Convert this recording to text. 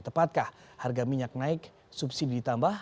tepatkah harga minyak naik subsidi ditambah